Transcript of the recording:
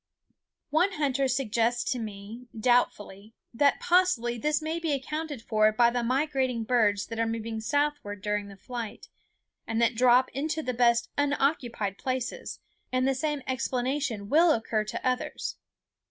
One hunter suggests to me, doubtfully, that possibly this may be accounted for by the migrating birds that are moving southward during the flight, and that drop into the best unoccupied places; and the same explanation will occur to others.